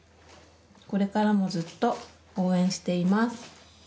これからもずっと応援しています。